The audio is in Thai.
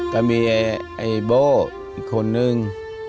ก็มีไอ้โบ้อีกคนนึง